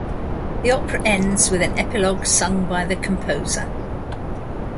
The opera ends with an epilogue sung by the Composer.